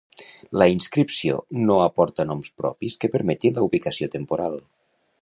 La inscripció no aporta noms propis que permetin la ubicació temporal.